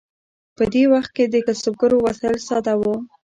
په دې وخت کې د کسبګرو وسایل ساده وو.